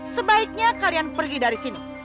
sebaiknya kalian pergi dari sini